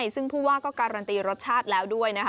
ซึ่งพูดว่าก็การันตีรสชาติดนตรากรรมแล้วด้วยนะคะ